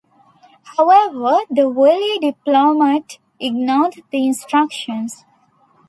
However, the wily diplomat ignored the instructions.